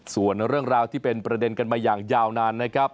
ส่วนเรื่องราวที่เป็นประเด็นกันมาอย่างยาวนานนะครับ